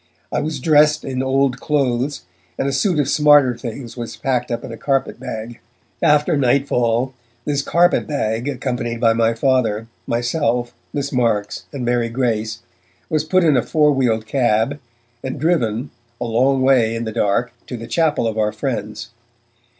I was dressed in old clothes, and a suit of smarter things was packed up in a carpet bag. After nightfall, this carpet bag, accompanied by my Father, myself, Miss Marks and Mary Grace, was put in a four wheeled cab, and driven, a long way in the dark, to the chapel of our friends.